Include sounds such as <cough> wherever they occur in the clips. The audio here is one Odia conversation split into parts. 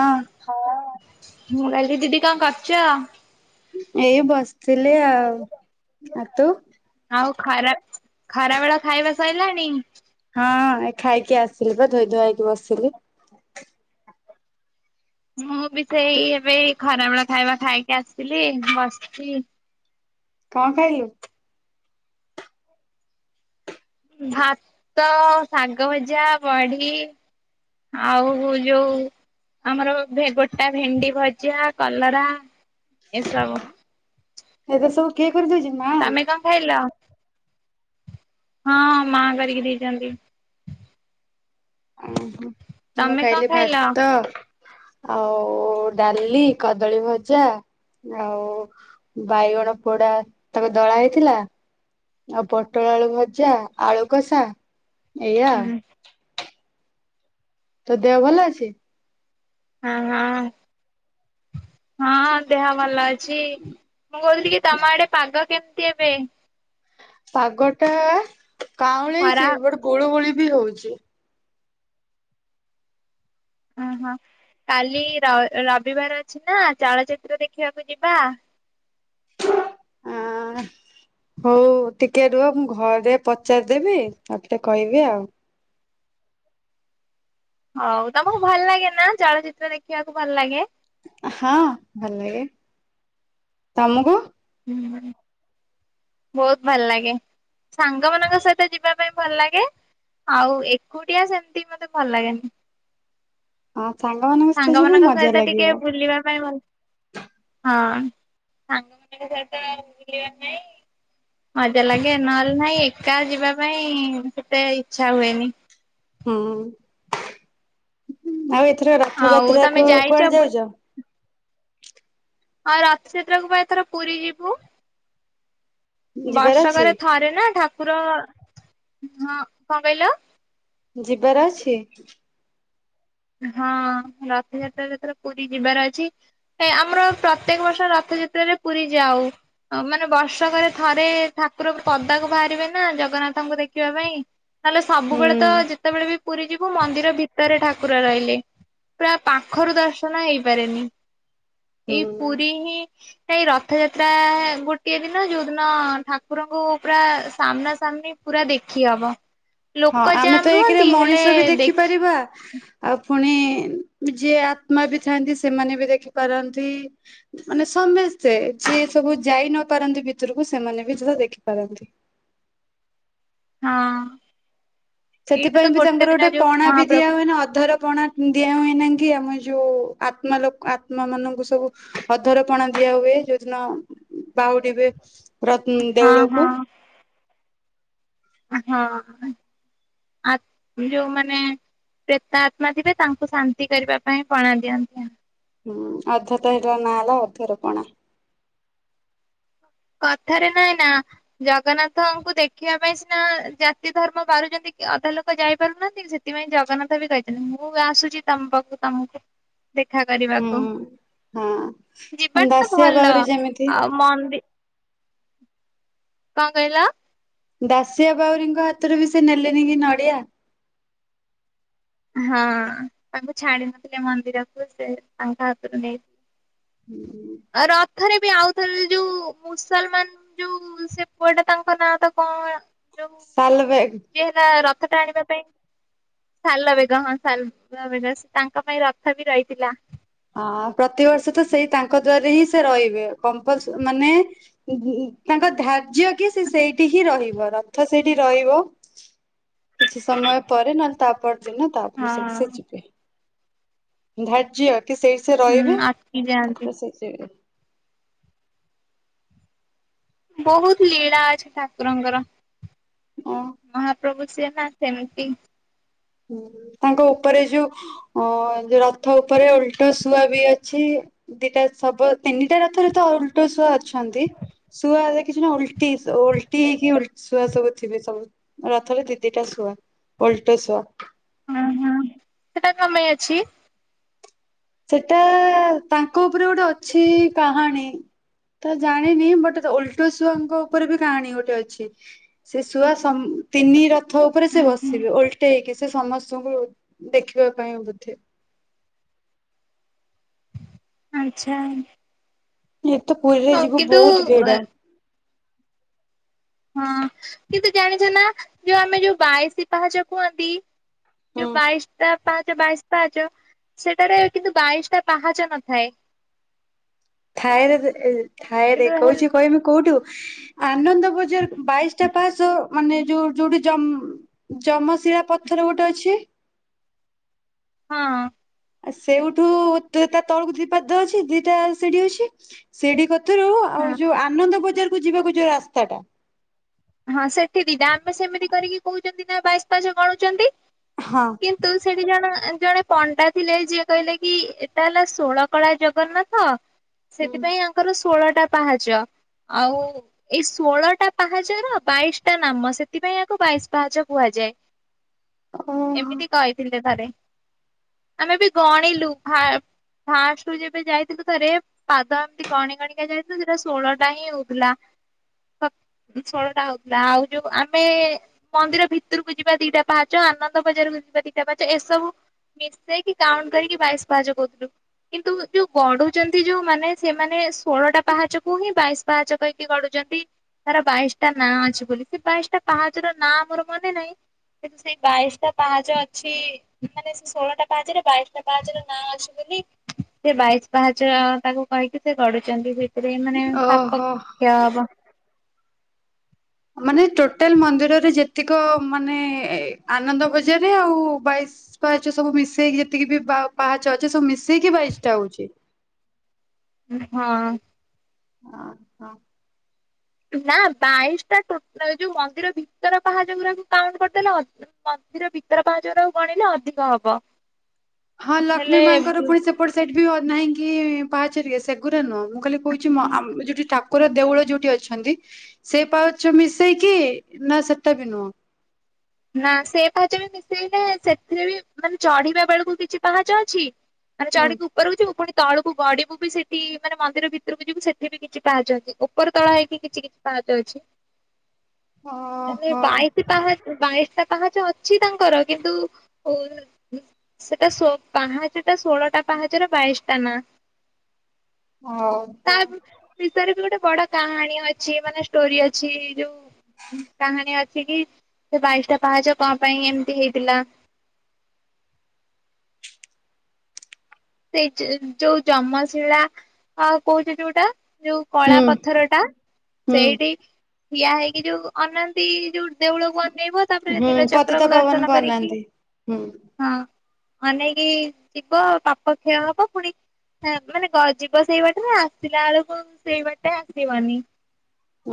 ହଁ ହଁ ମୁଁ କହିଲ ଦିଦି କାମ କରୁଛ? ଏଇ ବସିଥିଲି ଆଉ ଆ ତୁ? ଆଉ ଖରା ଖରା ବେଳ ଖାଇବା ସରିଲାଣି? ହଁ ଏ ଖାଇକି ଆସିଲି ବା ଧୋଇ ଧୁଆଇକି ବସିଲି। ମୁଁ ବି ତୁ ସେଇ ଏବେ ଖରାବେେଳ ଖାଇବା ଖାଇକି ଆସିଥିଲି ବସିଛି କଣ ଖାଇଲୁ? ଭାତ ଶାଗ ଭଜା ବଢି। ଆଉ ଯଉ ଆମର ଗୋଟା ଭେଣ୍ଡି ଭଜା କଲରା ଏସବୁ। ଏଇ ତ ସବୁ କିଏ କରିଦଉଛି ମା ତମେ କଣ ଖାଇଲ? ହଁ ମା କରିକି ଦେଇଛନ୍ତି ଓହୋ। ମୁଁ ତମେ କଣ ଖାଇଲି ଖାଇଲ? ଭାତ ଆଉ ଉ ଡାଲି କଦଳୀ ଭଜା ଆଉ ବାଇଗଣ ପୋଡା ତାଙ୍କ ଦଳା ହେଇଥିଲା ଆଉ ପୋଟଳ ଆଳୁ ଭଜା ଆଳୁକଷା ଏଇଆ ଆଉ ହୁଁ ତ ଦେହ ଭଲ ଅଛି ହଁ ହଁ ହଁ ଦେହ ଭଲ ଅଛି ମୁଁ କହୁଥିଲି କି ତମ ଆଡେ ପାଗ କେମିତି ଏବେ? ପାଗ ଟା ଖରା କାଉଁଳେଇଛି ବୋଟେ ଗୋଳ ଗୋଳି ବି ହଉଛି। ଓହୋ କାଲି ରବିବାର ଅଛି ନା ଚଳଚିତ୍ର ଦେଖିବାକୁ ଯିବା? <inaudible> ହଁ ହଉ ଟିକେ ରୁହ ମୁଁ ଘରେ ପଚାରିଦେବି ତାପେ କହିବି ଆଉ ହଉ ତମକୁ ଭଲ ଲାଗେ ନା ଚଳଚିତ୍ର ଦେଖିବାକୁ ଭଲ ଲାଗେ? ହଁ ଭଲ ଲାଗେ ତମକୁ? ହୁଁ ହଁ ବହୁତ ଭଲ ଲାଗେ ସାଙ୍ଗ ମାନଙ୍କ ସହିତ ଯିବା ପାଇଁ ଭଲ ଲାଗେ। ଆଉ ଏକୁଟିଆ ସେମିତି ମତେ ଭଲ ଲାଗେନି। ହଁ। ସାଙ୍ଗମାନଙ୍କ ସହିତ ଯିବୁ ସାଙ୍ଗମାନଙ୍କ ମଜା ସହିତ ଟିକେ ଲାଗିବ ବୁଲିବା ପାଇଁ ଭଲ ହଁ। <inaudible> ମଜା ଲାଗେ ନହେଲେ ନହିଁ ଏକା ଯିବା ପାଇଁ ସେତେ ଇଚଛା ହୁଏନି। ହୁଁ। ଆଉ ଏଥର ରଥ ଆଉ ଯାତ୍ରା ତମେ କୁ ଯାଇଛ କୁଆଡେ ବୁ ଯାଉଛ। ଆଉ ରଥ ଯାତ୍ରା କ ପାଇଁ ଥର ପୁରୀ ଯିବୁ। ଯିବାର ବର୍ଷ ଅଛି କରେ ଥରେ ନା ଠାକୁର ହ କଣ କହିଲ। ଯିବାର ଅଛି। ହଁ ରଥଯାତ୍ରା ଯା ପୁରୀ ଯିବାର ଅଛି ଆମର ପ୍ରତ୍ୟେକ ବର୍ଷ ରଥ ରଥଯାତ୍ରାରେ ପୁରୀ ଯାଉ ମାନେ ବର୍ଷକରେ ଥରେ ଠାକୁର ପଦାକୁ ବାହାରିବେ ନା ଜଗନ୍ନାଥଙ୍କୁ ଦେଖିବା ପାଇଁ ନହେଲେ ସବୁବେଳେ ତ ହୁଁ ଯେତେବେଳେ ବି ପୁରୀ ଯିବୁ ମନ୍ଦିର ଭିତରେ ଠାକୁ ର ରହିଲେ ପୁରା ପାଖରୁ ଦର୍ଶନ ହେଇପାରେନି। ହୁଁ ଏଇ ପୁରୀ ହିଁ ଏଇ ରଥଯାତ୍ରା ଗୋଟିଏ ଦିନ ଯୋଉ ଦିନ ଠାକୁରଙ୍କୁ ପୁରା ସାମ୍ନା ସାମ୍ନି ପୁରା ଦେଖି ହବ। ହଁ ଲୋକ ଆମେ ଜାମ୍ ତ ଏକରେ ରୁହନ୍ତି ହେଲେ ମଣିଷ ବି ଦେଖ ଦେଖିପାରିବା ଆଉ ପୁଣି ଯିଏ ଆତ୍ମା ବି ଥାନ୍ତି ସେମାନେ ବି ଦେଖିପାରନ୍ତି ମାନେ ସମସ୍ତେ ଯିଏ ସବୁ ଯାଇ ନ ପାରନ୍ତି ଭିତରକୁ ସେମାନେ ବି ଯଥା ଦେଖିପାରନ୍ତି। ହଁ। ଏଇଟା ତ ସେଥିପାଇଁ ବି ତାଙ୍କର ଦିନ ଗୋଟେ ଯୋଉ ପଣା ବି ମହାପ୍ରଭୁ ଦିଆ ହୁଏନି ଅଧର ପଣା ଦିଆହୁଏନି କି ଆମେ ଯୋଉ ଆତ୍ମା ଲୋକ ଆତ୍ମା ମାନଙ୍କୁ ସବୁ ଅଧରପଣା ଦ ଦିଆ ହୁଏ ଯୋଉଦିନ ବାହୁଡିବେ ର ହଁ ଦେଉଳକୁ। ହଁ ହଁ ଆ ଯୋଉମାନେ ପ୍ରେତା ଆତ୍ମା ଥିବେ ତାଙ୍କୁ ଶାନ୍ତି କରିବା ପାଇଁ ପଣା ଦିଅନ୍ତି। ହୁଁ ଅଧ ତ ହେଇଟ ନାଁ ହେଲା ଅଧର ପଣା। କଥାରେ ନାଇଁ ନା ଜଗନ୍ନାଥଙ୍କୁ ଦେଖିବା ପାଇଁ ସିନା ଜାତି ଧର୍ମ ବାରୁଛନ୍ତି ଅଧା ଲୋକ ଯାଇପାରୁନାହାନ୍ତି ସେଥିପାଇଁ ଜଗନ୍ନାଥ ବି କହିଛନ୍ତି ମୁଁ ବି ଆସୁଛି ତମ ପାଖକୁ ତମକୁ ଦେଖା କରିବାକୁ ହୁଁ। ହଁ ଯିବାଟା ଦାସିଆ ଭଲ ବାଉରୀ ଯେମିତି ଆଉ ମନ୍ଦି କଣ କହିଲ? ଦାଶିଆ ବାଉରୀଙ୍କ ହାତରୁ ବି ସେ ନେଲେନି କି ନଡିଆ। ହଁ ତାଙ୍କୁ ଛାଡି ନଥିଲେ ମନ୍ଦିରକୁ ସେ ତାଙ୍କ ହାତରୁ ନେଇଥିଲେ। ହୁଁ। ଏଥରେ ବି ଆଉ ଥର ଯୋଉ ମୁସଲମାନ ଯୋଉ ସେ ପୁଅଟେ ତାଙ୍କ ନାଁ ତ କଣ ଯୋଉ ସାଲ ବେଗ ଯିଏ ହେଲା ରଥ ଟାଣିବା ପାଇଁ ସାଲବେଗ ହଁ ସାଲବେଗ ତାଙ୍କ ପାଇଁ ରଥ ବି ରହିଥିଲା। ହଁ ପ୍ରତିବର୍ଷ ତ ସେଇ ତାଙ୍କ ଦ୍ଵାରରେ ହିଁ ସେ ରହିବେ କମ୍ପଲ୍ସ ମାନେ ଈ ତାଙ୍କ ଧାର୍ଯ୍ୟ କି ସେ ସେଇଠି ହିଁ ରହିବ ରଥ ସେଇଠି ରହିବ। କିଛି ସମୟ ପରେ ନହେଲେ ତାପର ଦିନ ତାପ ସବୁ ସେ ହଁ। ଯିବେ। ଧାର୍ଯ୍ୟ କି ସେଇ ସେ ହୁଁ ରହିବେ ଅଟକି ଯାଆନ୍ତି। ତାପରେ ସେଇ ଯିବ। ବହୁତ ଲୀଳା ଅଛି ଠାକୁରଙ୍କର। ହଁ ମହାପ୍ରଭୁ ସିଏ ନା ସେମିତି। ହଁ ତାଙ୍କ ଉପରେ ଯୋଉ ଅ ଯୋଉ ରଥ ଉପରେ ଉଲଟା ଶୁଆ ବି ଅଛି। ଦିଟା ସବ ତିନିଟା ରଥରେ ତ ଉଲଟା ଶୁଆ ଅଛନ୍ତି। ଶୁଆ କିଛି ନା ଓଲଟି ଓଲଟି ହେଇକି ଉଲ ଶୁଆ ସବୁ ଥିବେ ସବୁ ରଥରେ ଦି ଦିଟା ଶୁଆ ଓଲଟ ଶୁଆ। ହଁ ହଁ ସେଟା ଙ୍କ ପାଇଁ ଅଛି? ସେଟା ତାଙ୍କ ଉପରେ ଗୋଟେ ଅଛି କାହାଣୀ। ତ ଜାଣିନି ବଟ ଓଲଟୋ ଶୁଆଙ୍କ ଉପରେ ବି କାହାଣୀ ଗୋଟେ ଅଛି ସେ ଶୁଆ ସମ ତିନି ରଥ ଉପରେ ହୁଁ ସେ ହୁଁ। ବସିବେ ଓଲଟେଇକି ସେ ସମସ୍ତଙ୍କୁ ଦେଖିବା ପାଇଁ ବୋଧେ ଆଚ୍ଛା। ଏତ ପୁରୀରେ ହଁ ଯିବୁ ବହୁତ କିନ୍ତୁ ଭିଡ। ହଁ କିନ୍ତୁ ଜାଣିଛ ନା ଯୋଉ ଆମେ ଯୋଉ ବାଇଶୀ ପାହାଚ କୁହନ୍ତି। ହୁଁ ଯଉ ବାଇଶଟା ପାହାଚ ବାଇଶ ପାହାଚ ସେଠାରେ କିନ୍ତୁ ବାଇଶଟା ପାହାଚ ନଥାଏ ଥାଏରେ ଏ ଥାଏରେ କିନ୍ତୁ ହେଲ କହୁଛି କହିମୀ କୋଉଠୁ ଆ ଆନନ୍ଦ ବଜାର ବାଇଶ ଟା ପାହାଚ ମାନେ ଯୋଉ ଯୋଉଠି ଯମ ଯମଶିଳା ପଥର ଗୋଟେ ଅଛି। ହଁ। ଆ ସେଉଠୁ ତା ତଳକୁ ଦି ପାଦ ଅଛି ଦିଟା ସିଢି ଅଛି ସିଢି କ ତିରୁ ଆଉ ହଁ ଯୋଉ ଆନନ୍ଦ ବଜାର କୁ ଯିବାକୁ ଯୋଉ ରାସ୍ତାଟା ହଁ ସେଠି ଦିଟା ଆମେ ସେମିତି କରିକି କହୁଛନ୍ତି ନା ବାଇଶ ପାହାଚ ଗଣୁଛନ୍ତି। ହଁ କିନ୍ତୁ ସେଠି ଜଣ। ଜଣେ ପଣ୍ଡା ଥିଲେ ଯିଏ କହିଲେ କି ଏଟା ହେଲା ଷୋଳକଳା ଜଗନ୍ନାଥ। ସେଥିପାଇଁ ଆଙ୍କର ଷୋହଳଟା ପାହାଚ ଆଉ ଏଇ ଷୋହଳଟା ପାହାଚର। ବାଇଶ ଟା ନାମ ସେଥିପାଇଁ ଏହାକୁ ବାଇଶ ପାହାଚ କୁହାଯାଏ। ଓହୋ ଏମିତି କହିଥିଲେ ଥରେ ଆମେ ବି ଗଣିଲୁ ଭା ଫାଷ୍ଟୁ ଯେବେ ଯାଇଥିଲୁ ଥରେ ପାଦ ଏମତି ଗଣି ଗଣିକା ଯାଇଥିଲୁ ସେଟା ଷୋଳଟା ହିଁ ହଉଥିଲା। ଶୋଳଟା ହଉ ଆଉ ଯୋଉ ଆମେ ମନ୍ଦିର ଭିତରକୁ ଯିବା ଦିଟା ପାହାଚ ଆନନ୍ଦ ବଜାରକୁୁ ଯିବା ଦିଟା ପାହାଚ ଏ ସବୁ ମିଶେଇକି କାଉଣ୍ଟ କରିକି ବାଇଶ ପାହାଚ କହୁଥିଲୁ। କିନ୍ତୁ ଯୋଉ ଗଡୁଛନ୍ତି ଯୋଉ ମାନେ ସେମାନେ ଷୋଳଟା ପାହାଚକୁ ହିଁ ବାଇଶ ପାହାଚ କହିକି ଗଡୁଛ ନ୍ତି ତାର ବାଇଶଟା ନାଁ ଅଛି ବୋଲି ସେ ବାଇଶଟା ପାହାଚର ନାଁ ମୋର ମନେ ନାହିଁ। କିନ୍ତୁ ସେଇ ବାଇଶଟା ପାହାଚ ଅଛି ମାନେ ସେ ଷୋହଳଟା ପାହାଚରେ ବାଇଶଟା ପାହାଚର ନାଁ ଅଛି ବୋ ସେ ବାଇଶ ପାହାଚ ତାକୁ କହିକି ସେ ଗଡୁଛନ୍ତି ଯେ। ସେରେ ମାନେ ପାପ ଓହୋ କ୍ଷୟ ହବ। ମାନେ ଟୋଟାଲ ମନ୍ଦିରରେ ଯେତିକ ମାନେ ଆନନ୍ଦ ବଜାରେ ଆଉ ବାଇଶ ସବୁ ମିଶେଇକି ଯେତିକି ବି ପା-ପାହାଚ ଅଛି ସବୁ ମିଶେଇକି ବାଇଶ ଟା ହଉଛି। ହଁ। ଅଁ ହଁ। ନା ବାଇଶ ଟା ଟୋଟାଲ ଯୋଉ ମନ୍ଦିର ଭିତର ପାହାଚ ଗୁରାକୁ କାଉଣ୍ଟ କରିଦେଲେ ଅ ମ। ମନ୍ଦିର ଭିତର ପାହାଚ ଗୁରା ଗଣିଲେ ଅଧିକ ହବ। ହଁ ଲକ୍ଷ୍ମୀ ହେଲେ ମାଙ୍କର ପୁଣି ସେପଟେ ସାଇଡ ବି ନାହିଁ କି ପାହାଚଘରିକା ସେଗୁରା ନୁହଁ। ମୁଁ କାଲି କହୁଛି ଆମ ଯଦି ଠା ଠାକୁର ଦେଉଳ ଯୋଉଠି ଅଛନ୍ତି ସେ ପାହାଚ ମିଶେଇକି ନା ସେତା ବି ନୁହଁ। ନା ସେ ପାହାଚ ବି ମିଶେଇଲେ ସେଥିରେ ବି ମାନେ ଚଢିବା ବେଳକୁ କିଛି ପାହାଚ ଅଛି। ମାନେ ହୁଁ। ଚଢ଼ିକି ଉପରକୁ ଯିବୁ ପୁଣି। ତଳକୁ ଗଡିବୁ ବି ସେଠି ମାନେ ମନ୍ଦିର ଭିତରକୁ ଯିବୁ ସେଠି ବି କିଛି ପାହାଚ ଅଛି ଉପର ତଳ ହେଇକି କିଛି କିଛି ପା ଚ ଅଛି ହେନେ ଓହୋ ବାଇଶି ପାହା ବାଇଶ ଟା ପାହାଚ ଅଛି ତାଙ୍କର କିନ୍ତୁ। ସେଟା ସୋ ପାହାଚଟା ଷୋଳଟା ପାହାଚରେ ବାଇଶ ଟା ନା। ଓହୋ। ତାର ବି ଗୋଟେ ବଡ କାହାଣୀ ଅଛି ମାନେ ଷ୍ଟୋରି ଅଛି ଯୋଉ। କାହାଣୀ ଅଛି କି। ସେ ବାଇଶ ଟା ପାହାଚ କଣ ପାଇଁ ଏମିତି ହେଇଥିଲା। ସେଇ ଯୋଉ ଯମଶିଳା କହୁଛି ଯୋଉଟା। ଯୋଉ କଳା ହୁଁ ପଥର ଟା ହୁଁ ସେଇଠି ଠିଆ ହେଇକି ଯୋଉ ଅନନାନ୍ତି ଯୋଉ ଦେଉଳ ଭବାନ ନେଇବ ତାପରେ ହୁଁ ପତିତ ନୀଳଚକ୍ରକୁ ପାବନକୁ ଦର୍ଶନ କରିକି ଅନାନ୍ତି ହୁଁ। ହଁ। ଅନେଇକି ଯିବ ପାପ କ୍ଷୟ ହବ ପୁଣି ହଁ ମାନେ ଗଜିବ ସେଇ ବାଟରେ ଆସିଲା ବେଳକୁ ସେଇ ବାଟେ ଆସିବନି।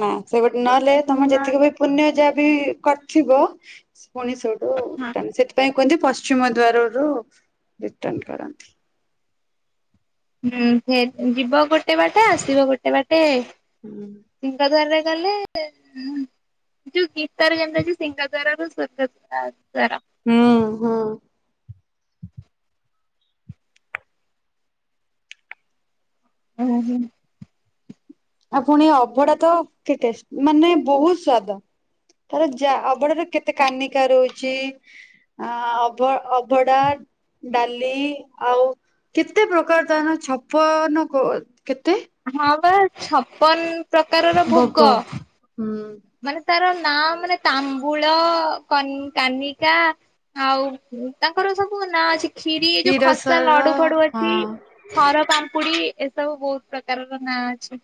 ନା ସେ ଗୋଟେ ନହେଲେ ତମେ ଯେତିକି ବି ପୁଣ୍ୟ ଯାହା ବି କରିଥିବ। ହଁ ପୁଣିଶଟୁେ ସେଥିପାଇଁ କନ୍ତି ପଶ୍ଚିମ ଦ୍ୱାର ରୁ ରିଟର୍ଣ କରନ୍ତି। ହୁଁ ସେ ଯିବ ଗୋଟେ ବାଟେ ଆସିବ ଗୋଟେ ବାଟେ ହୁଁ। ସିଙ୍ଗ ଦ୍ୱରରେ ତାହଲେ ଯୋଉ ଗୀତାର ଯେମିତି ଅଛି ସିଂହଦ୍ୱାର ରୁ ସ୍ୱର୍ଗଦ୍ୱାର। ହୁଁ, ହଁ। ଓ ହୋ। ଆଉ ପୁଣି ଅଭଡା ତ କେତେ ମାନେ ବହୁତ ସ୍ଵାଦ। ତାର ଯା ଅବଡ ର କେତେ କାନିକା ରହୁଛି। ଚି ଆ ଅଭ ଅଭଡା। ଡାଲି ଆଉ କେତେ ପ୍ରକାର ତାନ ଛପନ କୋ ହଁ ପା ଛପନ୍ ପ୍ରକାରର ଭୋଗ ହୁଁ ମାନେ ତାର ନାଁ ମାନେ ତାମ୍ବୁଳ କନ୍-କାନିକା ଆଉ ତାଙ୍କର ସବୁ ନାଁ ଅଛି ଖିରି ଏଇ ଯୋଉ ଖସା କ୍ଷୀରସର ଲଡୁ ଫଡୁ ଅଛି ହଁ। ଛାର ପାମ୍ପୁଡି ଏସବୁ ବୋହୁତ ପ୍ରକାରର ନାଁ ଅଛି।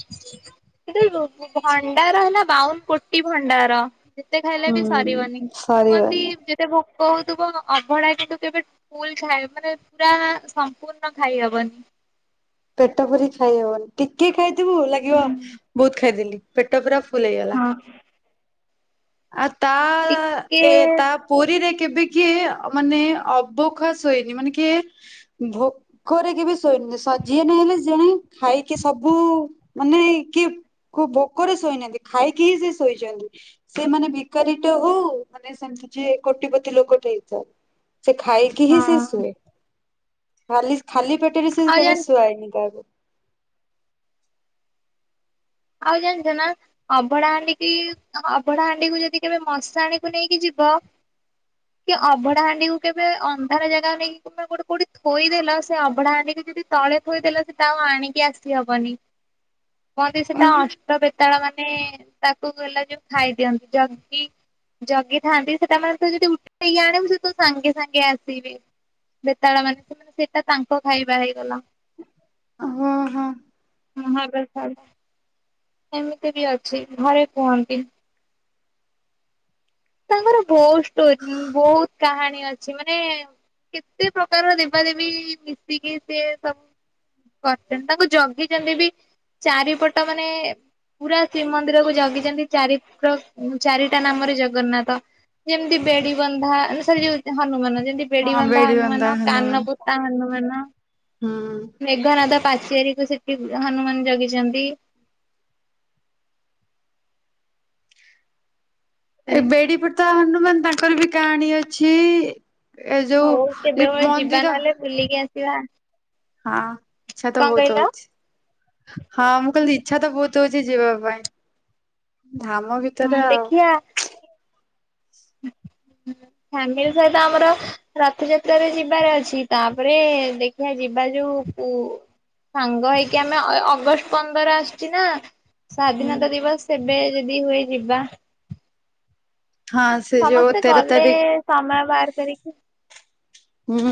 କିନ୍ତୁ ଏଇ ବୁ- ବୁ-ଭଣ୍ଡାର ହେଲା ବାଉନ କୋଟି ଭଣ୍ଡାର। ଯେତେ ଖାଇଲେ ବି ସରିବନି, ହୁଁ କୁହନ୍ତି ସରିବନି ଯେତେ ଭ କୋହୁଥିବ ଅଭଡା କିନ୍ତୁ କେବେ ଫୁଲ ଖାଇ-ମାନେ ପୁରା ସମ୍ପୂର୍ଣ ଖାଇହବନି। <inaudible> ପେଟ ପୁରେଇ ଖାଇହବନି ଟିକେ ଖାଇଥିବୁ ଲାଗିବ ବୋହୁତ ଖାଇଦେଲି ପେଟ ପୁର ଫୁଲିଗଲା। ହଁ। ଆଉ ଟିକେ ତା-ଏ-ତା-ପୁରୀରେ କେବେ କିଏ ମାନେ ଅଭୋକା ଶୋଇନି ମାନେ କିଏ ଭୋକରେ କେବେ ଶୋଇ ସ-ଯିଏ ନହେଲେ ଜଣେ ଖାଇକି ସବୁ ମାନେ କିଏ କୋଉ ଭୋକରେ ଶୋଇନାହାନ୍ତି ଖାଇକି ହିଁ ସିଏ ଶୋଇଚନ୍ତି। ସେମାନେ ଭିକାରୀ ଟିଏ ହୋଉ ମାନେ ସେମିତି ଯିଏ କୋଟିପତି ଲୋକଟିଏ ହେଇଥାଉ। ସେ ଖାଇକି ହିଁ ହଁ ସେ ଶୁଏ ଖାଲି ଖାଲି ପେଟରେ ସେ ଆଉ କେବେ ଜାଣି ଶୁଆଏନି କାହାକୁ। ଆଉ ଜାଣିଚନା ଅଭଡା ହାଣ୍ଡିିକି ଅଭଡା ହାଣ୍ଡିକୁୁ ଯଦି କେବେ ମଶାଣିକୁ ନେଇକି ଯି ବ କି ଅଭଡା ହାଣ୍ଡିକୁ କେବେ ଅନ୍ଧାର ଜାଗାକୁ ନେଇକି ତୁମେ ଗୋଟେ କୋଉଠି ଥୋଇଦେଲ ସେ ଅଭଡା ହଣ୍ଡିକି ଯଦି ତଳେ ଥୋଇଦେଲେ ସେଟା ଆଉ ଆଣିକି ଆସିହବନି ନହେଲେ ସେଟା ଅଷ୍ଟବେତ୍ ତାଳମାନେ ତାକୁ ହେଲା ଯୋଉ ଖାଇଦିଅନ୍ତି ଜିଗି ଜଗିଥାଆନ୍ତି ସେଟା ମାନେ ତୁ ଯଦି ଉଠେଇକି ଆଣିବୁ ସେ ତୋ ସାଙ୍ଗେ ସାଙ୍ଗେ ଆସିବେ। ବେତାଳମାନେ ସେମାନେ ସେଟା ତାଙ୍କ ଖାଇବା ହେଇଗଲା। ଓହୋ ହଁ। ମୁହଁ ଦେଖାଗଲେ ଏମିତି ବି ଅଛି ଘରେ କୁହନ୍ତି। ତାଙ୍କର ବୋହୁତ ଷ୍ଟୋରି, ବୋହୁତ କାହାଣୀ ଅଛି ମାନେ କେତେ ପ୍ରକାରର ଦେବାଦେବୀ ମିଶିକି ସିଏ ସବୁ କରଚନ୍ତି ତାଙ୍କୁ ଜଗିଚନ୍ତି ବି ଚାରିପଟ ମାନେ ପୁରା ଶ୍ରୀମନ୍ଦିରକୁ ଜଗିଚନ୍ତି ଚାରି ପ୍ର-ଚାରିଟା ନାମରେ ଜ ଜଗନ୍ନାଥ ଯେମତି ବେଡି ବନ୍ଧା ନା ସରି ଯୋଉ ହନୁମାନ ଯେ ବେଡି ବନ୍ଧା ହନୁମାନ, କାନ ପୁତା ହନୁମାନ। ହୁଁ। ମେଘାନାଦ ପା ଚେରିକୁ ସେଠି ହନୁମାନ ଜଗିଚନ୍ତି। ଏ ବେଡି ପଟେ ତ ହନୁମାନ ତାଙ୍କର ବି କାହାଣୀ ଅଛି। ଏ ଯୋଉ ହଉ ଏଇ ମନ୍ଦିର କିବା ହଁ ଇଛା ତ ବୋହୁତ ହୋଉଚି ହଁ ମୁଁ କହିଲି ଇ ଇଛା ତ ବୋହୁତ ହୋଉଚି ଯିବା ପାଇଁ ଧାମ ଭିତରେ ହଁ ଆଉ। ଦେଖିବା <unintelligible> ଫ୍ୟାମିଲି ସହିତ ଆମର ରଥଯାତ୍ରାରେ ଯିବାର ଅଛି ତାପରେ ଦେଖିବା ଯିବା ଯୋଉ ପୁ ସାଙ୍ଗ ହେଇକି ଆମେ ଅ-ଅଗଷ୍ଟ ପନ୍ଦର ଆସଚି ନା ହୁଁ ସ୍ଵାଧୀନତା ଦିବସ ସେବେ ଯଦି ହୁଏ ଯିବା। ହଁ ସେ ଯୋଉ ସମସ୍ତେ ତେର ଗଲେ ତାରିଖ ସମୟ ବାର କରିକି ହୁଁ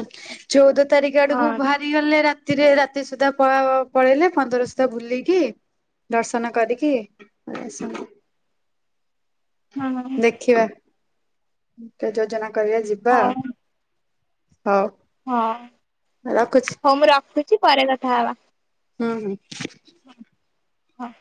ଚୋଉଦ ତାରିଖ ଆଡକୁ ହଁ ଭାରି ଗଲେ ରାତ୍ ତିରେ ରାତି ସୁଦ୍ଧା ପଳା ପଳେଇଲେ ପନ୍ଦର ସୁଦ୍ଧା ବୁଲିକି ଦର୍ଶନ କରିକି ପଳେଆସନ୍ତେ। <unintelligible> ଦେଖିବା ଯୋଜନା କରିବା ଯିବା। ହଉ ହଉ। ହଁ ରଖୁଛି ହୋଉ ମୁଁ ରଖୁଚି ପରେ କଥାହବା। ହୁଁ ହୁଁ। ହଁ।